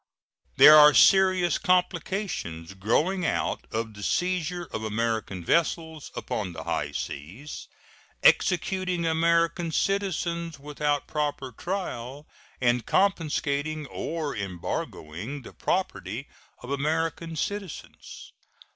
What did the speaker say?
There are serious complications growing out of the seizure of American vessels upon the high seas, executing American citizens without proper trial, and confiscating or embargoing the property of American citizens.